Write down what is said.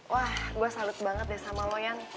wah gue salut banget deh sama lo yang